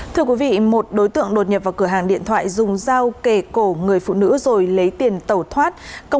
thưa quý vị một đối tượng đột nhập vào cửa hàng điện thoại dùng dao kề cổ người phụ nữ rồi lấy tiền tẩu thoát